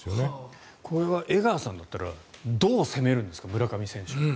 これは江川さんだったらどう攻めるんですか村上選手を。